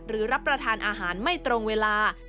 รับประทานอาหารไม่ตรงเวลา